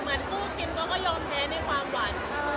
ถ้าหนูบอกว่าไม่ก็ไม่ได้แล้วล่ะค่ะ